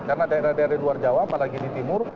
karena daerah daerah luar jawa apalagi di timur